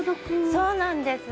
そうなんです。